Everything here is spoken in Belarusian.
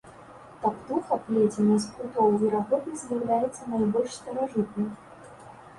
Таптуха, плеценая з прутоў, верагодна, з'яўляецца найбольш старажытнай.